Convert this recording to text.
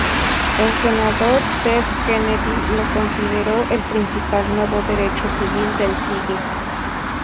El senador Ted Kennedy lo consideró el principal nuevo derecho civil del siglo.